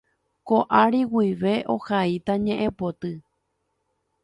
Ko ary guive ohaíta ñe'ẽpoty.